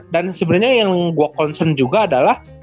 dan sebenernya yang gue concern juga adalah